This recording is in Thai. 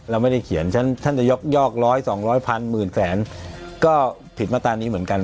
เราไม่ได้เขียนฉะท่านจะยกยอกร้อยสองร้อยพันหมื่นแสนก็ผิดมาตรานี้เหมือนกัน